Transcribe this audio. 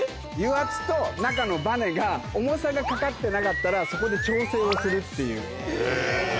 油圧と中のバネが重さがかかってなかったらそこで調整をするっていう。